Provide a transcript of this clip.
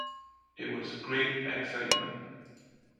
It was great excitement.